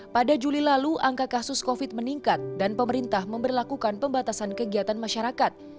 pada juli lalu angka kasus covid meningkat dan pemerintah memperlakukan pembatasan kegiatan masyarakat